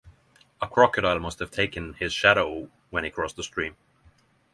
A crocodile must’ve taken his shadow when he crossed the stream.